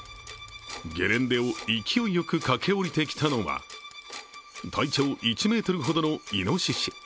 ゲレンデを勢いよく駆け下りてきたのは体長１ｍほどのいのしし。